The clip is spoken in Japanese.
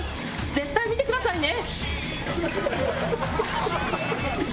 絶対見てくださいね！